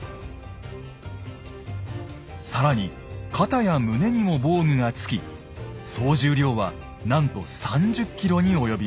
更に肩や胸にも防具がつき総重量はなんと３０ｋｇに及びます。